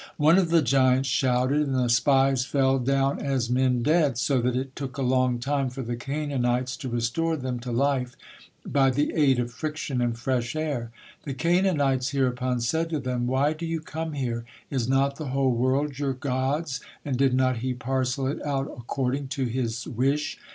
One of the giants shouted, and the spies fell down as men dead, so that it took a long time for the Canaanites to restore them to life by the aid of friction and fresh air. The Canaanites hereupon said to them: "Why do you come here? Is not the whole world your God's, and did not He parcel it out according to His wish?